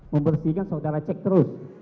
membersihkan saudara cek terus